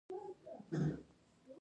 د څښاک پاکې اوبه ټولو سیمو ته رسیږي.